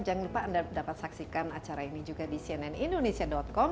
jangan lupa anda dapat saksikan acara ini juga di cnnindonesia com